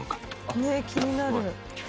ねえ気になる。